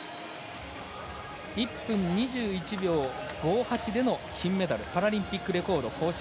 １分分２１秒５８での金メダルパラリンピックレコード更新。